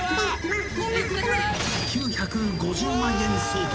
［９５０万円相当］